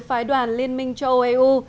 phái đoàn liên minh cho oeu